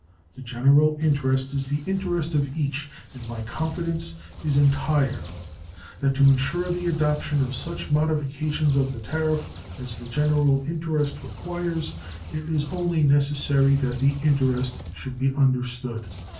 The general interest is the interest of each, and my confidence is entire that to insure the adoption of such modifications of the tariff as the general interest requires it is only necessary that that interest should be understood.